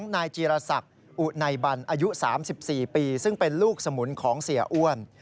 นายจีรศักดิ์อุไนบันอายุ๓๔ปีซึ่งเป็นลูกสมุนของเสียอ้วน